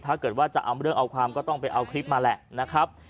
ถ้าเกิดว่าจะเอาเรื่องเอาความก็ต้องไปเอาคลิปมาแหละนะครับ